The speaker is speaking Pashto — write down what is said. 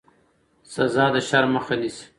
سزا د شر مخه نیسي